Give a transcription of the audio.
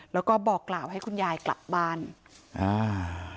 แล้วก็บอกกล่าวให้คุณยายกลับบ้านอ่า